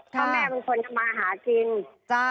เพราะแม่เป็นคนมาหาจริง